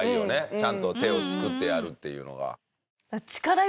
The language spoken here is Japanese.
ちゃんと手を作ってやるっていうのが。